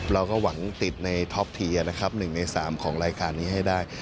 เราก็หวังติดในท็อปทีนะครับ๑ใน๓ของรายการนี้ให้ได้